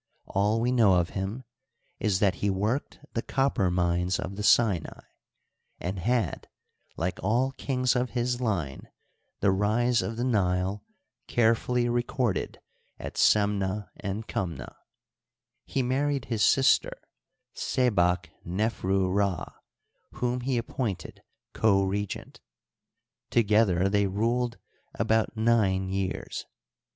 All we know of him is that he worked the copper mines of the Sinai and had, like all kings of his line, the rise of the Nile carefully recorded at Semneh and Kumneh. He married his sister, Sebak nefru Rd, whom he appointed co regent. Together they ruled about nine years.